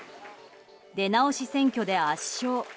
出直し選挙で圧勝。